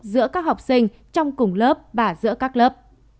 giữa các học sinh trong cùng lớp và giữa các lớp